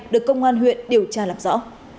được công an huyện điều tra làm rõ